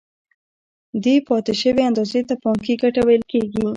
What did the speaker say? دې پاتې شوې اندازې ته بانکي ګټه ویل کېږي